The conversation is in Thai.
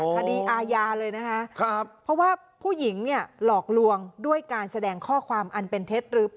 คดีอาญาเลยนะคะเพราะว่าผู้หญิงเนี่ยหลอกลวงด้วยการแสดงข้อความอันเป็นเท็จหรือ